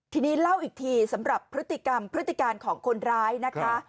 ทีนี้เล่าอีกทีสำหรับพฤติกรรมพฤติการของคนร้ายนะคะ